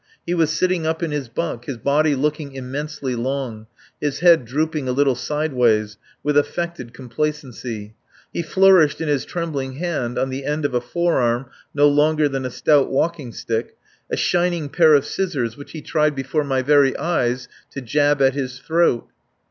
He was sitting up in his bunk, his body looking immensely long, his head drooping a little sideways, with affected complacency. He flourished, in his trembling hand, on the end of a forearm no thicker than a walking stick, a shining pair of scissors which he tried before my very eyes to jab at his throat.